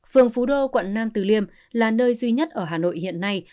phường phú đô quận nam từ liêm là nơi duy nhất ở hà nội hiện nay